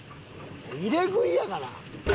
入れ食いやがな。